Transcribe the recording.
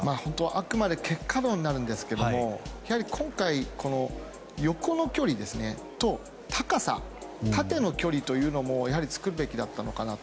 あくまで結果論ですが今回、横の距離と高さ縦の距離も作るべきだったのかなと。